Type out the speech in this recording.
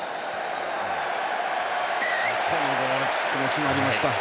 ゴールキックも決まりました。